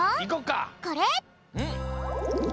これ！